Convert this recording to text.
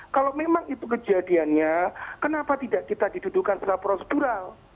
kalau memang itu kejadiannya kenapa tidak kita didudukan secara prosedural